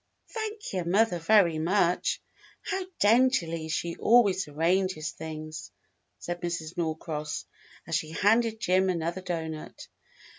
"Thank your mother very much. How daintily she always arranges things," said Mrs. Norcross, as she handed Jim another doughnut.